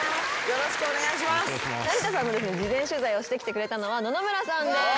事前取材をしてきてくれたのは野々村さんです。